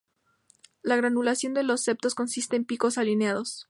La granulación de los septos consiste en picos alineados.